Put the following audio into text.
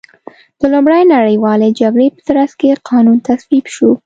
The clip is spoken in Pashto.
د لومړۍ نړیوالې جګړې په ترڅ کې قانون تصویب شو.